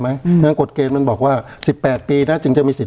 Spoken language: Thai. ไหมอืมงั้นกฎเกณฑ์มันบอกว่าสิบแปดปีน่ะจึงจะมีสิทธิ์